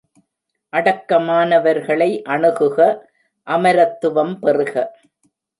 அடக்கமானவர்களை அணுகுக அமரத்துவம் பெறுக.